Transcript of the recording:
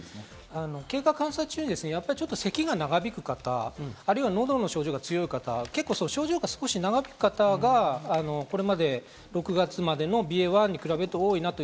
経過観察中にやはり咳が長引く方、あるいは喉の症状が強い方、症状が長引く方がこれまで６月までのＢＡ．１に比べると多いなと。